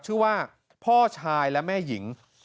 ชื่อว่าพ่อชายและแม่หญิง